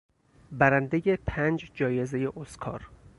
برندهی پنج جایزهی اسکار